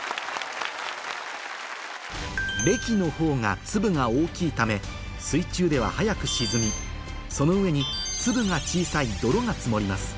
れきの方が粒が大きいため水中では早く沈みその上に粒が小さいどろが積もります